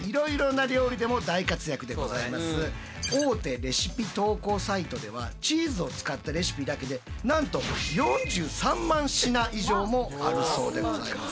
チーズって大手レシピ投稿サイトではチーズを使ったレシピだけでなんと４３万品以上もあるそうでございますね。